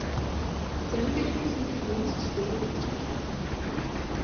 Завин дээрх усан цэргүүд ч сэлүүрдэж гарлаа.